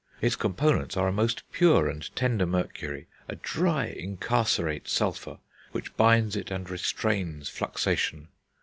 Its components are a most pure and tender mercury, a dry incarcerate sulphur, which binds it and restrains fluxation....